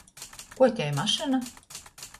Kuo tei mašyna?